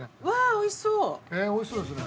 おいしそうですね。